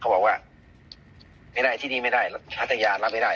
บอกว่าไม่ได้ที่นี่ไม่ได้พัทยารับไม่ได้